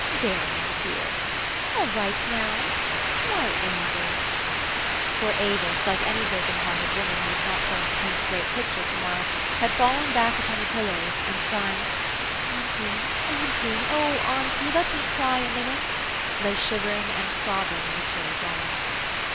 There, my dear. All right now? Why, Avis!" THE STORY OF AVIS. 153 For Avis, like any broken hearted woman who was not going to paint a great picture to morrow, had fallen back upon the pillows, and crjing, "Auntie, auntie, O auntie! let me cry a minute," lay shivering and sobbing in the chill dawn.